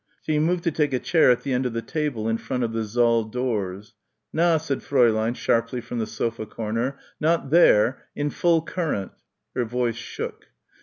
She moved to take a chair at the end of the table in front of the saal doors. "Na!" said Fräulein sharply from the sofa corner. "Not there! In full current!" Her voice shook.